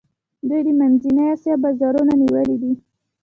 دوی د منځنۍ آسیا بازارونه نیولي دي.